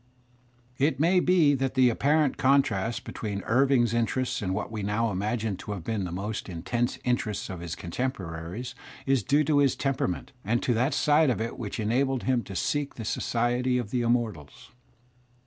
It may be that the apparent contrast between Irving's interests and what we now imagine to have been the most intense interests of his contemporaries is due to his tempera ment and to that side of it which enabled him to seek the society of the immortals.